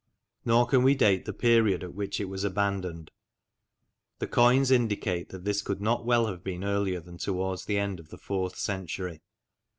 Nor can we date the period at which it was abandoned. The coins indicate that this could not well have been earlier than towards the end of the fourth century.